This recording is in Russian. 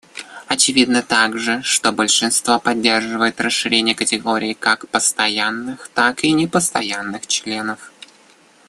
Очевидно также, что большинство поддерживает расширение категорий как постоянных, так и непостоянных членов.